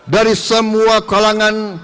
dari semua kalangan